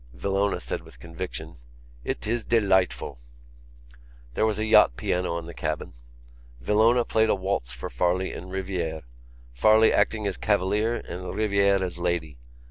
Villona said with conviction: "It is delightful!" There was a yacht piano in the cabin. Villona played a waltz for Farley and Rivière, Farley acting as cavalier and Rivière as lady.